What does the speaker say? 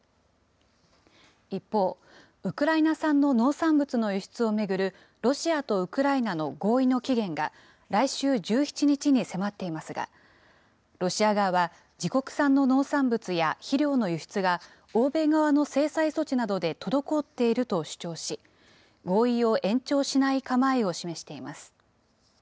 一方、ウクライナ産の農産物の輸出を巡るロシアとウクライナの合意の期限が、来週１７日に迫っていますが、ロシア側は自国産の農産物や、肥料の輸出が、欧米側の制裁措置などで滞っていると主張し、合意を延長しない構えを示しています。